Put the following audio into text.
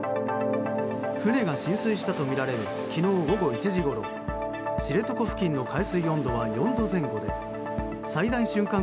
船が浸水したとみられる昨日午後１時ごろ知床付近の海水温度は４度前後で最大瞬間